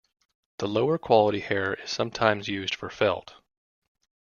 The lower quality hair is sometimes used for felt.